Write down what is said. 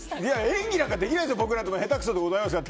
演技なんかできないですよ